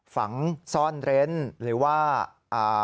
ฝังซ่อนเร้นหรือว่าอ่า